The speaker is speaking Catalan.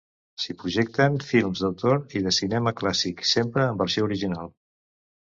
S'hi projecten films d'autor i de cinema clàssic, sempre en versió original.